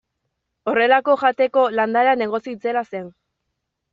Horrelako jateko landarea negozio itzela zen.